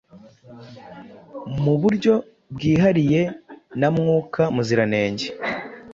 mu buryo bwihariye na Mwuka Muziranenge.